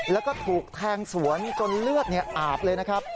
แล้วก็ถูกแทงสวนจนเลือดอาบเลยนะครับ